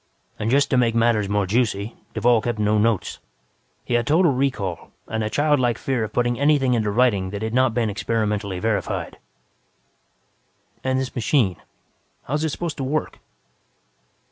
"And, just to make matters more juicy, Duvall kept no notes. He had total recall and a childlike fear of putting anything into writing that had not been experimentally verified." "And this machine, how is it supposed to work?"